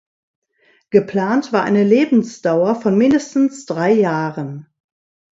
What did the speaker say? Geplant war eine Lebensdauer von mindestens drei Jahren.